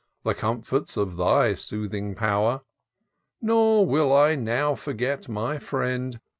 The comforts of thy soothing power! Nor will I now forget my firiend.